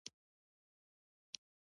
خلکو به ویل پلانی سړی د مامدک پر پله ختلی دی.